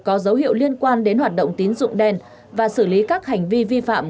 có dấu hiệu liên quan đến hoạt động tín dụng đen và xử lý các hành vi vi phạm